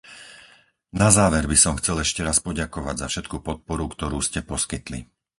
Na záver by som chcel ešte raz poďakovať za všetku podporu, ktorú ste poskytli.